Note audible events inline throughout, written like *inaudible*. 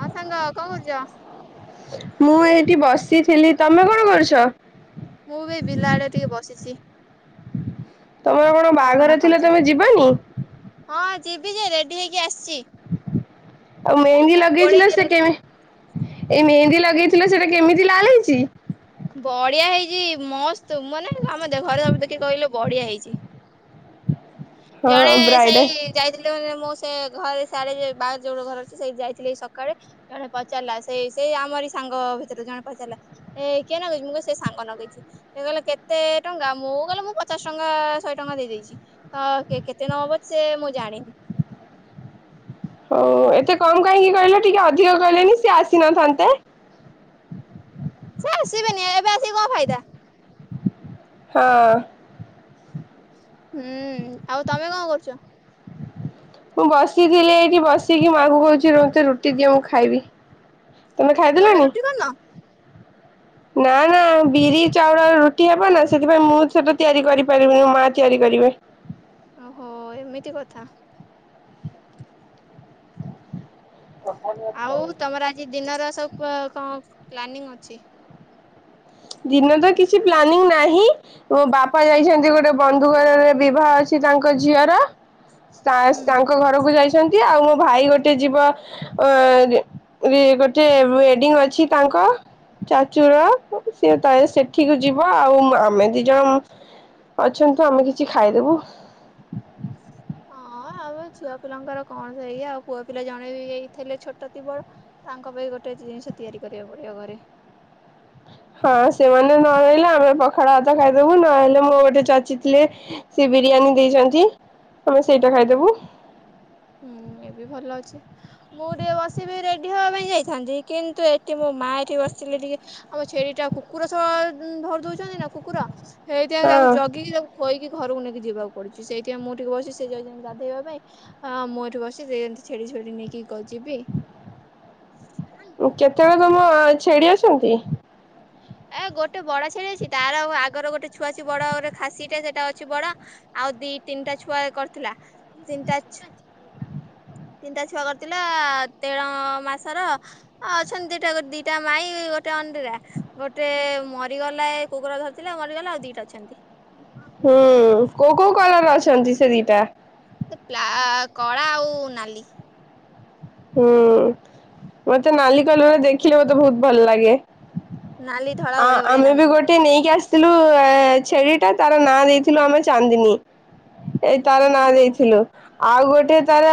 ହଁ ସାଙ୍ଗ କଣ କରୁଚ। ମୁଁ ଏଇଠି ବସିଥିଲି ତମେ କଣ କରୁଚ? ମୁଁ ବି ବିଲ ଆଡେ ଟିକେ ବସିଚି। ତମର କଣ ପବନ ବାହାଘର ଥିଲା। ଖାଉଛି। ତମେ ଯିବନି? ହଁ ଯିବି ଯେ ରେଡି ହେଇକି ଆସିଚି। ଆଉ ମେହେନ୍ଦୀ ଲଗେଇଥିଲ ଦେଲ ସେ ଦେଖି। କେମି ଏଇ ମେହେନ୍ଦୀ ଲଗେଇଥିଲ ସେଟା କେମିତି ଲାଲ ହେଇଚି? ବଢିଆ ହେଇଚି ମସ୍ତ ମନେ ଆମ ଦେ ଘରେ ସବୁ ଦେଖି କହିଲେ ବଢିଆ ହେଇଚି। ହଁ ଜଣେ ବ୍ରାଇଡ ସେଇ ଯାଇଥିଲେ ମାନେ ମୁଁ ସେ ଘରେ ସିଆଡେ ଯୋଉ ବାହାରେ ଯୋଉ ଲୋ ଘର ଅଛି। ସେଇ ଯାଇଥିଲିଏ ଇ ସକାଳେ ଜଣେ ପଚାରିଲା ସେଇ ସେଇ ଆମରି ସାଙ୍ଗ ଭିତରୁ ଜଣେ ପଚାରିଲା। ଏ କିଏ ନଗେଇଚି? ମୁଁ କହି ସେ ସାଙ୍ଗ ନଗେଇଚି। ସେ କହିଲେ କେତେ ଟଙ୍କା? ମୁଁ କହିଲେ ମୁଁ ପଚାଶ ଟଙ୍କା ଶହେ ଟଙ୍କା ଦେଇଦେଇଚି। ହ କେ-କେତେ ନବ ବୋଲି ସେ ମୁଁ ଜାଣିନି। ହୋଉ ଏତେ କମ୍ କାହିଁକି କହିଲ? ଟିକେ ଅଧିକ କହିଲେନି ସିଏ ଆସିନଥାନ୍ତେ। ସେ ଆସିବେନି ଏବେ ଆସିକି କଣ ଫାଇଦା। ହଁ। ହୁଁ। ଆଉ ତମେ କଣ କରୁଚ? ମୁଁ ବସିଥିଲି ଏଇଠି ବସିକି ମାଆଙ୍କୁ କୋହୁଚି ରୁ-ରୁଟି ଦିଅ ମୁଁ ଖାଇବି। ତମେ ଖାଇଦେଲଣି? ରୁଟି କରିନ? ନାଁ ନାଁ ବିରି ଚାଉଳରେ ରୁଟି ହେବ ନା ସେଥିପାଇଁ ମୁଁ ସେଟା ତିଆରି କରିପାରିବିନି ମା ତିଆରି କରିବେ। ଓହୋ ଏମିତି କଥା। ଆଉ ତମର ଆଜି ଦିନର ସବୁ ପ କଣ ପ୍ଲାନିଂ ଅଛି? ଦିନରେ ତ କିଛି ପ୍ଲାନିଂ ନାହିଁ। ମୋ ବାପା ଯାଇଚନ୍ତି ଗୋଟେ ବନ୍ଧୁ ଘରରେ ବିବାହ ଅଛି ତାଙ୍କ ଝିଅର। ସାଏ ହୁଁ ତାଙ୍କ ଘରକୁ ଯାଇଚନ୍ତି ଆଉ ମୋ ଭାଇ ଗୋଟେ ଯିବ ଅଂ ରେ ଗୋଟେ ୱେଡିଙ୍ଗ ଅଛି ତାଙ୍କ ଚାଚୁର। ସିଏ ତାର ସେଠିକୁୁ ଯିବ ଆଉ ଆମେ ଦି ଜଣ ମୁଁ ଅଛନ୍ତୁ। ଆମେ କିଛି ଖାଇଦୋବୁ। ହଁ ଆମେ ଛୁଆ ପିଲାଙ୍କର କଣ ସେଇଆ ଆଉ ପୁଅ ପିଲା ଜଣେ ବି ହେଇ ଥିଲେ ଛୋଟ ତି ବର ତାଙ୍କ ପାଇଁ ଗୋଟେ ଜିନିଷ ତିଆରି କରିବାକୁ ପଡିବ ଘରେ। ହଁ ସେମାନେ ନହଲେ ଆମେ ପଖାଳ ହାତ ଖାଇଦୋବୁ ନହେଲେ ମୋ ଗୋଟେ ଚାଚି ଥିଲେ ସେ ବିରିୟାନୀ ଦେଇଚନ୍ତି। ତମେ ସେଇଟା ଖାଇଦୋବୁ। ହୁଁ ଏବେ ଭଲ ଅଛି। ମୁଁ ଟିକେ ବସିବି ରେଡି ହବା ପାଇଁ ଯାଇଥାନ୍ତି କିନ୍ତୁ ଏଠି ମୋ ମା ଏଠି ବସିଲେ ଟିକେ ଆମ ଛେଳି ଟା କୁକୁର ସହ ଧରି ଦୋଉଚନ୍ତି ନା କୁକୁର ହେଇଥିପାଇଁ ତାକୁ ହଁ ଜଗିକି ତାକୁ କହିକି ଘରକୁ ନେଇକି ଯିବାକୁ ପଡୁଚି। ସେଇଥିପାଇଁ ମୁଁ ଟିକେ ବସିଚି ସେ ଯାଇଚନ୍ତି ଗାଧେଇବା ପାଇଁ ହଁ ମୁଁ ଏଠି ବସିଚି ସେ ଯେମତି ଛେଳି, ଛେଳି ନେଇକି କ ଯିବି। କେତେବେଳେ ତମ ଛେଡି ଅଛନ୍ତି? ଏ ଗୋଟେ ବଡ ଛେଳି ଅଛି। ତାର ଆଉ ଆଗର ଗୋଟେ ଛୁଆ ଅଛି ବଡରେ ଖାସୀଟେ ସେଟା ଅଛି ବଡ। ଆଉ ଦି ତିନିଟା ଛୁଆ କରିଥିଲା। ତିନିଟା ଛୁ ତିନିଟା ଛୁଆ କରିଥିଲା ତେର ମାସର ଅ ଅଛନ୍ତି ଦିଇଟା ଗୋ ଦିଟା ମାଇ ଗୋଟେ ଅଣ୍ଡିରା। ଗୋଟେ ମରିଗଲା ଏ କୁକୁର ଧରିଥିଲେ ମରିଗଲା ଆଉ ଦିଇଟା ଅଛନ୍ତି। ହୁଁ କୋଉ କୋଉ କଲର ଅଛନ୍ତି ସେ ଦିଇଟା? ସେ ବ୍ଲା କଳା ଆଉ ନାଲି। ହୁଁ ମତେ ନାଲି କଲର ଦେଖିଲେ ମତେ ବୋହୁତ ଭଲ ଲାଗେ। ନାଲି ଧଳା ଅଁ, ବଢିଆ ବଢିଆ ଆମେ ବି ନାଗୁଛନ୍ତି। ଗୋଟେ ନେଇକି ଆସ ଥିଲୁ ଏ, ଛେଳି ଟା ତାର ନାଁ ଦେଇଥିଲୁ ଆମେ ଚାନ୍ଦିନୀ। ଏଇ ତାର ନାଁ ଓହୋ ଦେଇଥିଲୁ, ଆଉ ଗୋଟେ ତାର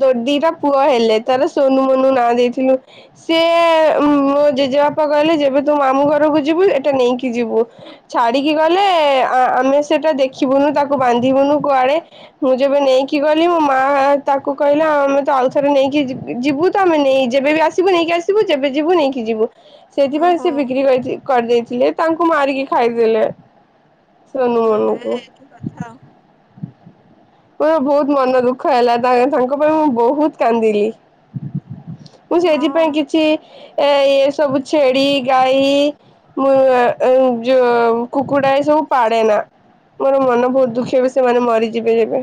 ଦ- ଦିଟା ପୁଅ ହେଲେ। ତାର ସୋନୁ ମନୁ ନାଁ ଦେଇଥିଲୁ। ସିଏ ମୋ ଜେଜେବାପା କହିଲେ ଯେବେ ତୁ ମାମୁଁ ଘରକୁ ଯିବୁ ଏଟା ନେଇକି ଯିବୁ। ଛାଡିକି ଗଲେ ଆ, ଆମେ ସେଟା ଦେଖିବୁନୁ ତାକୁ ବାନ୍ଧିବୁନୁ କୁଆଡେ ମୁଁ ଯେବେ ନେଇକି ଗଲି ମୋ ମା ତାକୁ କହିଲା ଆମେ ତ ଅଉଥରେ ନେଇକି ଯିବ ଯିବୁ ତ ଆମେ ନେଇ ଯେବେ ବି ଆସିବୁ ନେଇକି ଆସିବୁ ଯେବେ ଯିବୁ ନେଇକି ଯିବୁ। ସେଥିପାଇଁ ଓହୋ ସେ ବିକ୍ରି କରି କରିଥି କରଦେଇଥିଲେ ତାଙ୍କୁ ମାରିକି ଖାଇଦେଲେ। ସୋନୁ ଓ ମନୁ ହେ କୁ। ଏମିତି କଥା ମୋର ବହୁତ ମନ ଦୁଃଖ ହେଲା ତା-ତାଙ୍କ ପାଇଁ ମୁଁ ବହୁତ କାନ୍ଦିଲି। ମୁଁ ଆଉ ସେଇଥିପାଇଁ ହଁ। କିଛି ଏ ଏଇ ସବୁ ଛେଳି ଗାଈ ମୁଁ ଆ, ଆଉ ଯୋ *unintelligible* କୁକୁଡ଼ା ଏ ସବୁ ପାଡ଼େ ନା, ମୋର ମନ ବହୁତ ଦୁଃଖୀ ହେବେ ସେମାନେ ମରିଯିବେ ଯେବେ।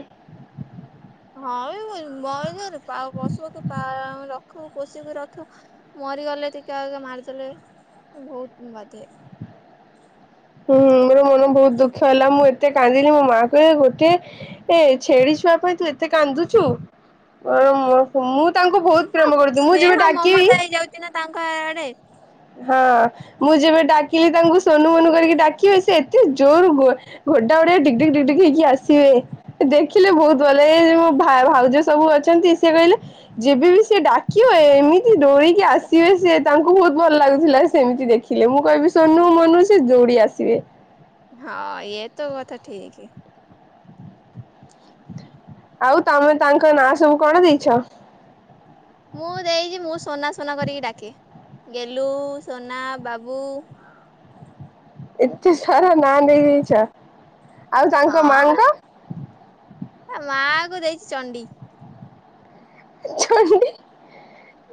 ହଁ ଏଇ ମୁଇ *unintelligible* ପା-ପଶୁକୁ ପା-ରଖୁ ପୋଷିକି ରଖୁ ମରିଗଲେ ଟିକେ ଆଗେ ମାରିଦେଲେ ବହୁତ ବାଧେ। ହୁଁ, ମୋର ମନ ବହୁତ ଦୁଃଖ ହେଲା ମୁଁ ଏତେ କାନ୍ଦିଲି ମୋ ମାଆ କୁହେ ଗୋଟେ ଏ ଛେଳିଛୁଆ ପାଇଁ ତୁ ଏତେ କାନ୍ଦୁଛୁ, ଅ, ମୋ ସ- ମୁଁ ତାଙ୍କୁ ବହୁତ ପ୍ରେମ କରୁଚୁ, ମୁଁ ଯେବେ ଡାକିବି କିନା ତାଙ୍କ ଆରେ ହଁ ମୁଁ ଯେବେ ଡାକିଲି ତାଙ୍କୁ ସୋନୁ ମନୁ କରିକି ଡାକିବି ସେ ଏତେ ଜୋରୁ ଗୋ ଘୋଡା ଗୋଡି ଡିଗ୍ ଡିଗ୍ ଡିଗ୍ ହେଇକି ଆସିବେ। ଏ ଦେଖିଲେ ବହୁତ ଭଲ ଲାଗେ, ଏଇ ଯୋଉ ମୋ ଭା- ଭାଉଜ ସବୁ ଅଛନ୍ତି ସିଏ କହିଲେ ଯେବେ ବିି ସିଏ ଡାକିବ ଏ, ଏମିତି ଦୌଡିକି ଆସିବେ ସେ ତାଙ୍କୁ ବହୁତ ଭଲ ଲାଗୁଥିଲା ସେମିତି ଦେଖିଲେ, ମୁଁ କହିବି ସୋନୁ ମନୁ ସେ ଦୌଡି ଆସିବେ। ହଁ ଏ ତ କଥା ଠିକି। ଆଉ ତୋମେ ତାଙ୍କ ନାଁ ସବୁ କଣ ଦେଇଛ? ମୁଁ ଦେଇଚି ମୁଁ ସନା ସନା କରିକି ଡାକେ, ଗେଲୁ, ସନା, ବାବୁ। ଏତେ ସାରା ନାଁ ଦେଇଦେଇଛ। ହଁ ମନ୍ ଏ ମାଙ୍କୁ ଦେଇଛି ଚଣ୍ଡି। ଚଣ୍ଡୀ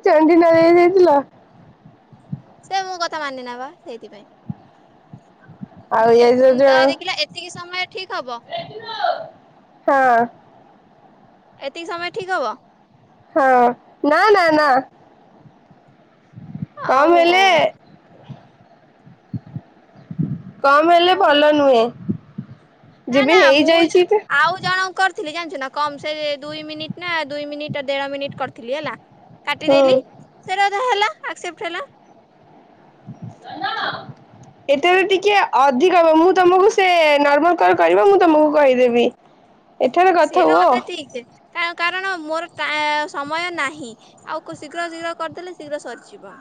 ଚଣ୍ଡୀ ନାଁ ଦେଇ ଦେଇଥିଲ। ସେ ମୋ କଥା ମାନେନା ବା ସେଇଥିପାଇଁ। ଆଉ ଏ ଯୋଉ ଉଁ, ତ ଜଣ ଦେଖିଲ ଏତିକି ସମୟ ଠିକ ହବ? ହଁ। ଏତିକି ସମୟ ଠିକ୍ ହବ? ହଁ ନା, ନା, ନା। କମ୍ ଆଉ ହେଲେ ହଉନି କମ୍ ହେଲେ ହଉନି ଭଲ ନୁହେଁ। ନା, ଯେବେ ନା ମୁଁ ହେଇଯାଇଛି ତ ଆଉ ଜଣଙ୍କର ଥିଲି ଜାଣିଛୁ ନା, କମ ସେ ଦୁଇ ମିନିଟ୍ ନା ଦୁଇ ମିନିଟ୍ ଦେଢ଼ ମିନିଟ୍ କରିଥିଲି ହେଲା। ହୁଁ କାଟିଦେଲି ସେରା ତ ହେଲା ଆକ୍ସେପ୍ଟ ହେଲା। *unintelligible* ଏଥର ଟିକେ ଅଧିକ ହବ, ମୁଁ ତୋମକୁ ସେ ନର୍ମାଲ୍ କଲ୍ କରିବ ମୁଁ ତୋମକୁ କହିଦେବି। ଏଠାରେ କଥା ହୁଅ। ଠିକ୍ ଅଛି। କାରଣ ମୋର ସମୟ ନାହିଁ। ଆଉ ଶୀଘ୍ର ଶୀଘ୍ର କରିଦେଲେ ଶୀଘ୍ର ସରିଯିବ।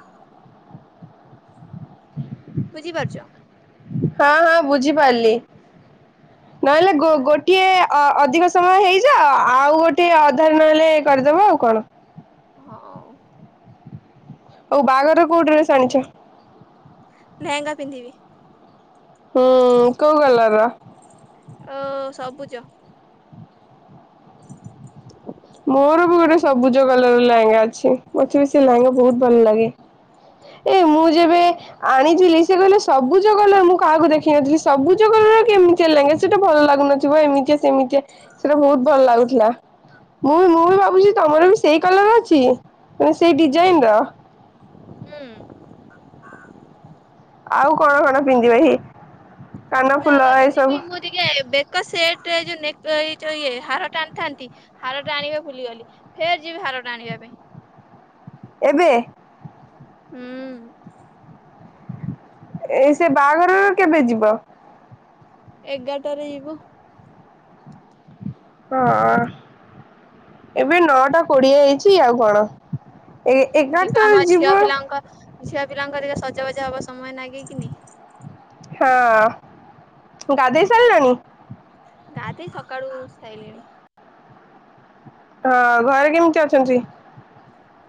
ବୁଝିପାରୁଛ। ହଁ ହଁ ବୁଝିପାରିଲି ନହେଲେ ଗୋଟିଏ ଅ ଅଧିକ ସମୟ ହେଇଯା ଆଉ ଗୋଟେ ଅଧାର ନହେଲେ କରିଦବ ଆଉ କଣ। ହଁ। ଓଉ ବାହାଘର କୋଉ ଡ୍ରେସ ଆଣିଛ। ଲହେଙ୍ଗା ପିନ୍ଧିବି। ହୁଁ କଉ କଲର? ସବୁଜ। ହ *unintelligible* ମୋର ବି ଗୋଟେ ସବୁଜ କଲର ର ଲେହେଙ୍ଗା ଅଛି ମତେ ବି ସେ ଲେହେଙ୍ଗା ବହୁତ ଭଲ ଲାଗେ। ଏ ମୁଁ ଯେବେ ଆଣିଥିଲି ସେ କହିଲେ ସବୁଜ କଲର ମୁଁ କାହାକୁ ଦେଖିନଥିଲି ସବୁଜ କଲର କେମିତି ସେ ଲେଗିନ୍‌ସ ଟା ଭଲ ଲାଗୁନଥିବ ଏମିତିଆ ସେମିତିଆ ସେଇଟା ବହୁତ ଭଲ ଲାଗୁଥିଲା। *inaudible* ମୁଁ ମୁଁ ବି ଭାବୁଛି ତମର ବି ସେଇ କଲର ଅଛି, ସେଇ ଡିଜାଇନ ର। ହୁଁ। ଆଉ କଣ କଣ ପିନ୍ଧିବେ ଇ। ଲହେଙ୍ଗା ପିନ୍ଧିବିି ମୁଁ ଟିକେ ବେକ ସେଟ ଏ ଯୋଉ ନେକ ଏ ଯେଉ ଇଏ ହାର ଟ ଆଣିଥାନ୍ତି। ହାର ଟା ଆଣିବା ଭୁଲିଗଲି ଫେର ଯିବି ହାରଟା ଆଣିବା ପାଇଁ। ଏବେ। ହଁ। ଏଇ ସେ ବାହାଘରରୁ କେବେ ଯିବ। ଏଗାରଟାରେ ଯିବୁ। ହଁ। ଏବେ ନଅଟା କୋଡିଏ ହେଇଛି ଆଉ କଣ ଏ ଏଗାରଟାରେ ଯିବୁ। ଝିଆ ପିଲାଙ୍କର ଟିକେ ସଜ ବାଜ ହବାକୁ ସମୟ ନାଗେଇକିନି। ହଁ ଗାଧେଇ ସାରିଲଣି। ଗା ଦେଇ ସକାଳୁ ସାଇଲିଣି ହଁ ଘରେ କେମିତି ଅଛନ୍ତି?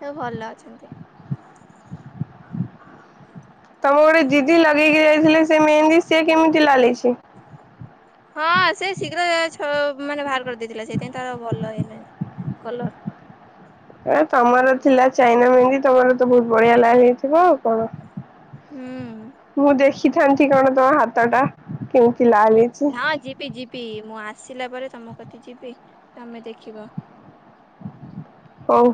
ସ ଭଲ ଅଛନ୍ତି। ତମକୁ ଗୋଟେ ଜିଦି ଲଗେଇକି ଯାଇଥିଲେ ସେ ମେହେନ୍ଦି ସିଏ କେମିତି ଲାଗିଛି। ହଁ ସେ ଶୀଘ୍ର ଛ ମାନେ ବାହାର କରିଦେଇଥିଲା ସେଇଥିାଇଁ ତାର ଭଲ ହେଇ *unintelligible* ଏ ତମର ଥିଲା ଚାଇନା ମେହନ୍ଦି ତମର ତ ବହୁତ ବଢିଆ ଲାଲ୍ ହେଇଥିବ ଆଉ ନା କଣ? ହଁ। ମୁଁ ଦେଖିଥାନ୍ତି କଣ ତମ ହାତ ଟା କେମିତି ଲାଲ ହେଇଛି। ହଁ ଯିବି ଯିବି ମୁଁ ଆସିଲା ପରେ ତମ କତି ଯିବି ତମେ ଦେଖିବ। ହଁ। ହଉ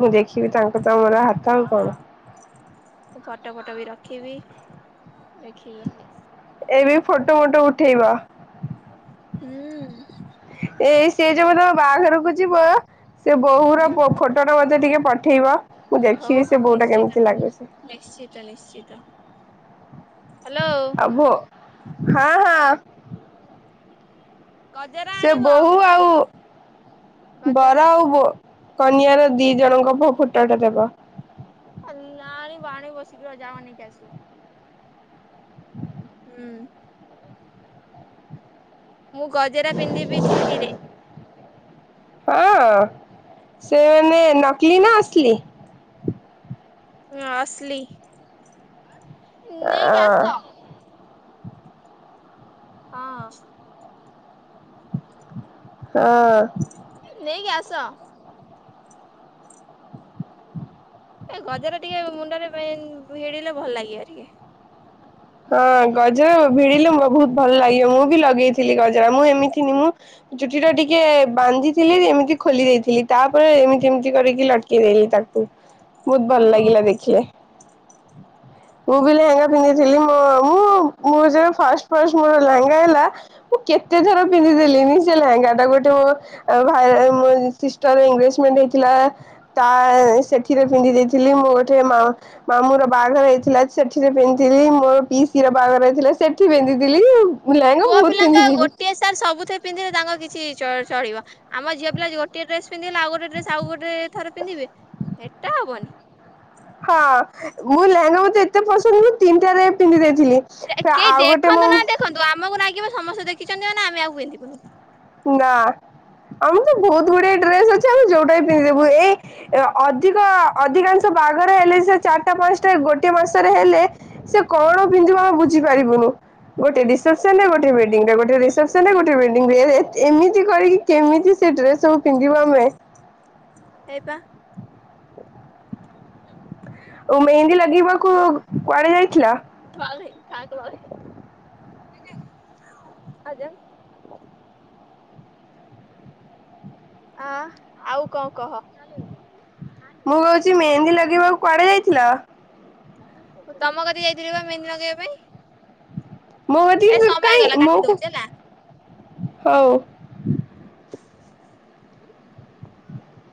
ମୁଁ ଦେଖିବି ତାଙ୍କ ତମର ହାତ। ଆଉ ହଁ କଣ। ମୁଁ ଫଟୋ ଫଟୋ ବି ରଖିବି, ଦେଖିବା। ଏ ବି ଫୋଟୋ ଫଟୋ ଉଠେଇବ। ହୁଁ। ଏଇ ସେ ଯେବେ ତମ ବାହାଘରକୁ ଯିବ। ସେ ବୋହୁ ର ଫଟୋଟା ମତେ ଟିକେ ପଠେଇବ ମୁଁ ହଉ ଦେଖିବି ହଉ ସେ ବୋହୁଟା ନିଶ୍ଚିତ କେମିତି ଲାଗୁଛି। ନିଶ୍ଚିତ ନିଶ୍ଚିତ ହ୍ୟାଲୋ। ଆବୁ ହଁ ହଁ। ଗଜରା ସେ ଆଣିବ ବୋହୂ ଆଉ ବର ଗଜରା। ଆଉ ବୋ କନ୍ୟାର ଦି ଜଣଙ୍କ ପୁଅ ଫୁଟଟା ଦବ। ନାଇଁ ବାଣୀ ବସିକି ଯାଅ ନେଇକି ଆସିବ। ହ ହୁଁ ମୁଁ ଗଜରା ପିନ୍ଧିବି ଚୁଟିରେ। ହଁ ସେ ମାନେ ନକଲି ନା ଅସଲି। ହଁ ଅସଲି ନେଇ କି ଆଁ ଆସ। ହଁ। ହଁ। ନେଇକିଆସ। ଏ ଗଜରା ଟିକେ ମୁଣ୍ଡରେ ଭିଡିଲେ ଭଲ ଲାଗିବ ଟିକେ ହଁ ଗଜରା ଭିଡିଲେ ବହୁତ ଭଲ ଲାଗିବ ମୁଁ ବି ଲଗେଇଥିଲି ଗଜରା ମୁଁ ଏମିତିନି ମୁଁ ଚୁଟି ଟା ଟିକେ ବାନ୍ଧିଥିଲି ଏମିତି ଖୋଲି ଦେଇଥିଲି ତାପରେ ଏମିତି ଏମିତି କରିକି ଲଟକେଇ ଦେଲି ତାକୁ ବହୁତ ଭଲ ଓହୋ ଲାଗିଲା ଦେଖିଲେ ମୁଁ ବି ଲେହେଙ୍ଗା ପିନ୍ଧିି ହେଲେ ମୁଁ ମୋର ଯେବେ ଫାଷ୍ଟ ଫାଷ୍ଟ ମୋର ଲାହାଙ୍ଗା ହେଲା। ମୁଁ କେତେ ଥର ପିନ୍ଧିଦେଲିନି ସେ ଲେହେଙ୍ଗା ଟାକୁ ଗୋଟେ ଆ ଭାଇରେ ମୋ ସିଷ୍ଟର ଏଙ୍ଗ୍ରାଜମେଣ୍ଟ ହେଇଥିଲା। ତା ସେଠିରେ ପିନ୍ଧି ଦେଇଥିଲି ମୁଁ ଗୋଟେ ମା ମାମୁ ର ବାହାଘର ହେଇଥିଲା ସେଠିରେ ପିନ୍ଧ ଥିଲି ମୋର ପିଇଶିର ବାହାଘର ହେଇଥିଲା ସେଠି ପିନ୍ଧିଥିଲି ଲେହେଙ୍ଗା ବହୁତ ପିନ୍ଧିଥିଲି। ତାର୍ ସବୁଥିରେ ପିନ୍ଧିବେ ତାଙ୍କର କିଛି ଚଳିବ। ଆମ ଝିଅ ପିଲା ଗୋଟିଏ ଡ୍ରେସ୍ ପିନ୍ଧିଲେ ଆଉ ଗୋଟେ ଡ୍ରେସ୍ ଆଉ ଗୋଟ ଥର ପିନ୍ଧିବେ ଏଟା ହବନି। ହଁ ମୁଁ ଲେହେଙ୍ଗା ମତେ ଏତେ ପସନ୍ଦ ମୁଁ ତିନିଟାରେ ପିନ୍ଧି ଦେଇଥିଲି। କେହି ଆଉ ଗୋଟେ ଦେଖନ୍ତୁ ନା ମୋ ଦେଖନ୍ତୁ ଆମକୁ ନାଗିବ ସମସ୍ତେ ଦେଖିଛନ୍ତି ମାନେ ଆମେ ଆଉ ପିନ୍ଧିବୁନୁ। ନା ଆମକୁ ତ ବହୁତ ବଢିଆ ଡ୍ରେସ୍ ଅଛି ଆମେ ଯୋଉଟା ବି ପିନ୍ଧିିଦବୁ ଏଇ ଏ ଅଧିକ ଅଧିକାଂଶ ବାହାଘର ହେଲେ ସେ ଚାରିଟା ପାଞ୍ଚଟା ଗୋଟିଏ ମାସରେ ହେଲେ ସେ କଣ ପିନ୍ଧିବ ଆମେ ବୁଝିପାରିବୁନୁ ଗୋଟେ ଦିସ୍ ରିସେପ୍ସନ୍ ଗୋଟେ ୱେଡିଙ୍ଗ୍ ରେ, ଗୋଟେ ରିସେପ୍ସନ୍ ଗୋଟେ ୱେଡିଙ୍ଗ୍ରେ ଏ ଏ ଏମିତି କରିକି କେମିତି ସେ ଡ୍ରେସ୍ ସବୁ ପିନ୍ଧିବୁ ଆମେ? ହେଇପା ଓ ମେହେନ୍ଦୀ ଲଗେଇବାକୁ କୁଆଡେ ଯାଇଥିଲ? *inaudible* ଆ ଆଉ କଣ କହ? ମୁଁ କହୁଛି ମେହେନ୍ଦୀ ଲଗେଇବାକୁ କୁଆଡେ ଯାଇଥିଲ? ତମ କତିକି ଯାଇଥଲି ପା ମେହେନ୍ଦି ନଗେଇବା ପାଇଁ। ମୋ ଏ କତିକି ସମୟ କାଇଁ ହେଇଗଲା ମୋ କାଟି ଦଉଛି ହେଲା। ହଉ।